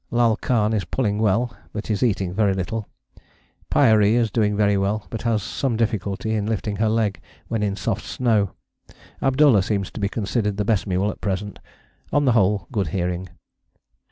Lal Khan is pulling well, but is eating very little. Pyaree is doing very well, but has some difficulty in lifting her leg when in soft snow. Abdullah seems to be considered the best mule at present. On the whole good hearing.